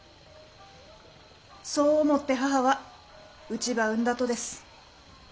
そう思って母はうちば産んだとです。